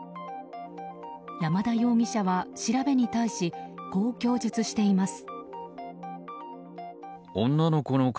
山田容疑者は調べに対しこう供述しています。